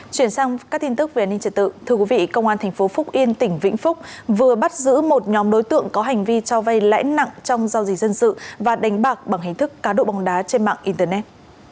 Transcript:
chuyển sang các tin tức về an ninh trật tự thưa quý vị công an tp phúc yên tỉnh vĩnh phúc vừa bắt giữ một nhóm đối tượng có hành vi cho vay lãi nặng trong giao dịch dân sự và đánh bạc bằng hình thức cá độ bóng đá trên mạng internet